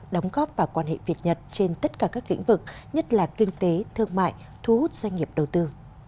đóng góp vào quan hệ việt nhật trên tất cả các lĩnh vực nhất là kinh tế thương mại thu hút doanh nghiệp đầu tư